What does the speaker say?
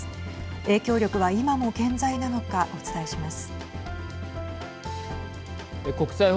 影響力は今も健在なのかお伝えします。